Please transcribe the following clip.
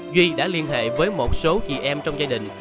duy đã liên hệ với một số chị em trong gia đình